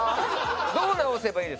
どう直せばいいですか？